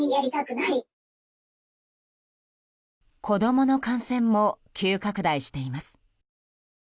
子供の感染も急拡大しています。